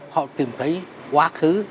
họ tìm thấy quá khứ